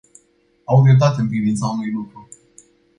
Au dreptate în privința unui lucru.